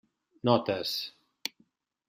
Notes.